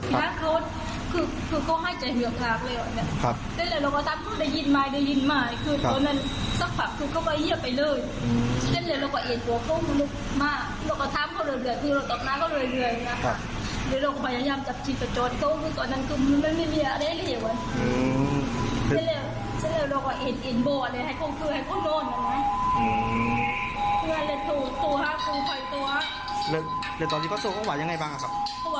หรือว่าตอนนี้ประสบคอกว่ายังไงบ้างครับ